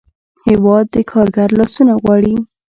هېواد د کارګر لاسونه غواړي.